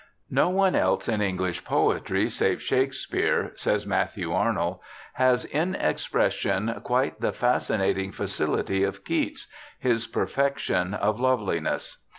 ' No one else in English poetry save Shakespeare,' says Matthew Arnold, * has in expression quite the fascinating facility of Keats, his perfection of loveliness.